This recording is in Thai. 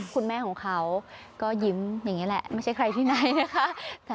คุณแม่ของเขาก็ยิ้มอย่างนี้แหละไม่ใช่ใครที่ไหนนะคะ